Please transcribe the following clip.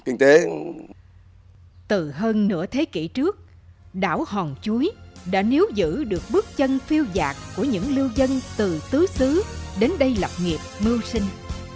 nhiều thế kỷ trước đảo hòn chuối đã níu giữ được bước chân phiêu giạc của những lưu dân từ tứ xứ đến đây lập nghiệp mưu sinh